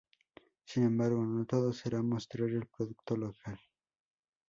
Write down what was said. Sin embargo, no todo será mostrar el producto local.